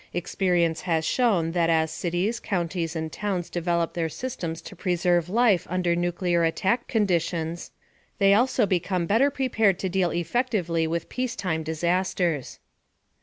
Experience has shown that as cities, counties and towns develop their systems to preserve life under nuclear attack conditions, they also become better prepared to deal effectively with peacetime disasters.